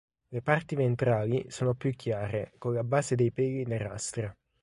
Le parti ventrali sono più chiare con la base dei peli nerastra.